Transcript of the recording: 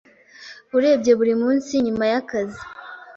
Urebye buri munsi nyuma y’akazi